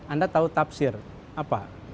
anda tahu tafsir apa